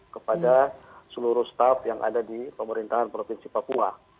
kepada seluruh staff yang ada di pemerintahan provinsi papua